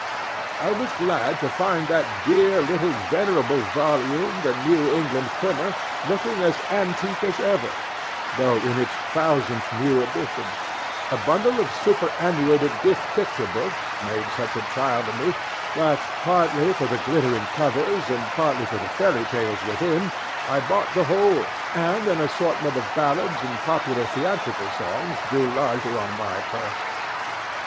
I was glad to find that dear little venerable volume the New England Primer, looking as antique as ever, though in its thousandth new edition; a bundle of superannuated gilt picture books made such a child of me that, partly for the glittering covers and partly for the fairy tales within, I bought the whole, and an assortment of ballads and popular theatrical songs drew largely on my purse.